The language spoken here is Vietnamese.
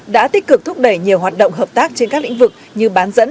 đã tích cực thúc đẩy nhiều hoạt động hợp tác trên các lĩnh vực như bán dẫn